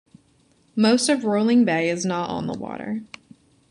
Most of Rolling Bay is not on the water.